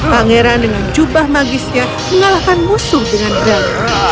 pangeran dengan jubah magisnya mengalahkan musuh dengan gang